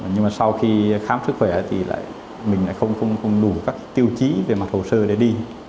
nhưng mà sau khi khám sức khỏe thì mình lại không đủ các tiêu chí về mặt hồ sơ để đi